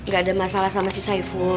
gak ada masalah sama si saiful